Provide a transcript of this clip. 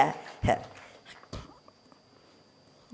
sudah tidak ada pembicaraan